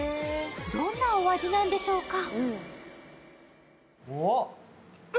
どんなお味なんでしょうか。